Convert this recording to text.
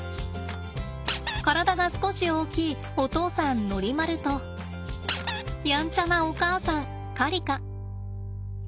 体が少し大きいお父さんノリマルとやんちゃなお母さんカリカ。